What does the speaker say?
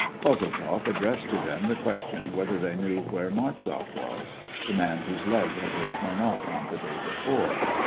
Kozeltzoff addressed to them the question whether they knew where Martzoff was — the man whose leg had been torn off on the day before.